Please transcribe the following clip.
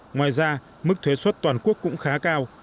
ngoài ra mức thuế xuất toàn quốc cũng khá cao